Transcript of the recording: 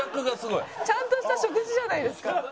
咀嚼がすごい。ちゃんとした食事じゃないですか。